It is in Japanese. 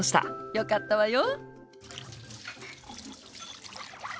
よかったわよ。